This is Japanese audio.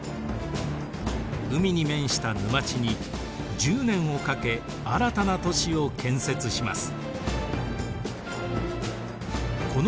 海に面した沼地に１０年をかけ新たな都市を建設します。